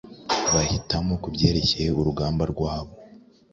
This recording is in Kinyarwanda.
bahitamo kubyerekeye urugamba rwabo